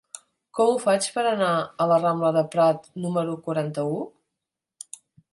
Com ho faig per anar a la rambla de Prat número quaranta-u?